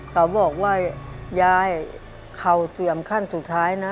เขาบอกว่ายายเข่าเสื่อมขั้นสุดท้ายนะ